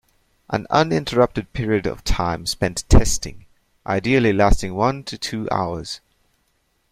An uninterrupted period of time spent testing, ideally lasting one to two hours.